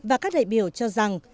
và các đại biểu cho rằng